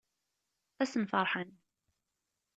Ad asen-ferḥen.